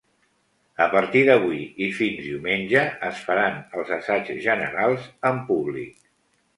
A partir d’avui i fins diumenge, es faran els assaigs generals amb públic.